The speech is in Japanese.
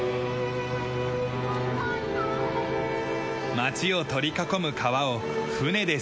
町を取り囲む川を船で進む。